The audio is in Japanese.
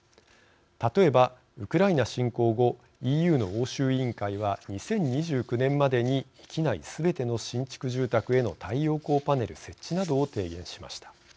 例えばウクライナ侵攻後ＥＵの欧州委員会は２０２９年までに域内すべての新築住宅への太陽光パネル設置などを提言しました。